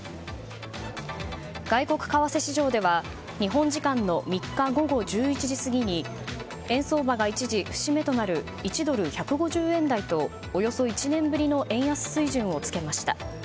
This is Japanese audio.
外国為替市場では日本時間の３日午後１１時過ぎに円相場が一時節目となる１ドル＝１５０円台とおよそ１年ぶりの円安水準をつけました。